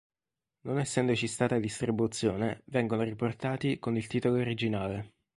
Non essendoci stata distribuzione vengono riportati con il titolo originale.